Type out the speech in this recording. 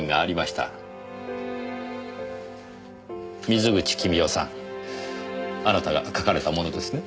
水口君代さんあなたが描かれたものですね？